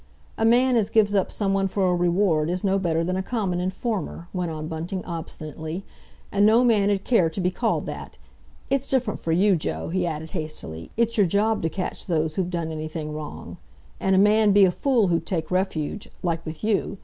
"A man as gives up someone for a reward is no better than a common informer," went on Bunting obstinately. "And no man 'ud care to be called that! It's different for you, Joe," he added hastily. "It's your job to catch those who've done anything wrong. And a man'd be a fool who'd take refuge—like with you.